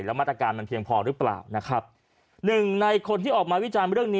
มาตรการมันเพียงพอหรือเปล่านะครับหนึ่งในคนที่ออกมาวิจารณ์เรื่องนี้